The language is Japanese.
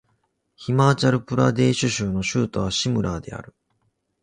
ヒマーチャル・プラデーシュ州の州都はシムラーである